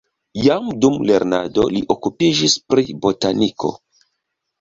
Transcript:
Jam dum lernado li okupiĝis pri botaniko.